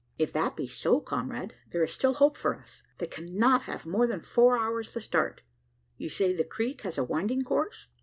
"If that be so, comrade, there is still hope for us. They cannot have more than four hours the start. You say the creek has a winding course?"